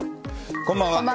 こんばんは。